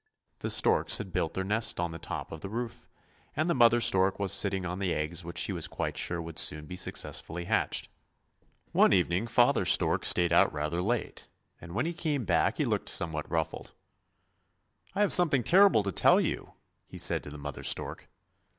The storks had built their nest on the top of the roof, and the mother stork was sitting on the eggs which she was quite sure would soon be successfully hatched. One evening father stork stayed out rather late, and when he came back he looked somewhat ruffled. " I have something terrible to tell you! " he said to the mother stork.